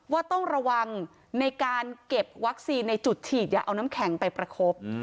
ว่าต้องระวังในการเก็บวัคซีนในจุดฉีดอย่าเอาน้ำแข็งไปประคบ